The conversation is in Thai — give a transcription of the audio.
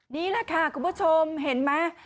นี่แหละค่ะคุณผู้ชมเห็นไหม